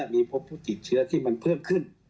มีพบกฎิเชื้อที่มันเพิ่งขึ้น